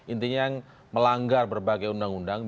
intinya yang melanggar berbagai undang undang